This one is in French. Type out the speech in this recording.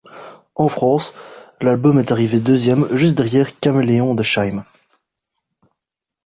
En France, l’album est arrivé deuxième, juste derrière Caméléon de Shy'm.